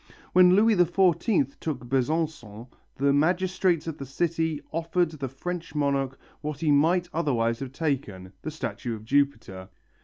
When Louis XIV took Besançon, the magistrates of the city offered the French monarch what he might otherwise have taken, the statue of Jupiter.